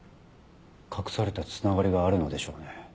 隠されたつながりがあるのでしょうね。